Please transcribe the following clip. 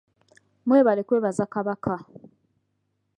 Mwebale kwebaza Kabaka.